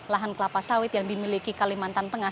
lahan kelapa sawit yang dimiliki kalimantan tengah